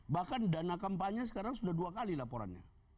bahkan dana kampanye sekarang sudah dua kali laporannya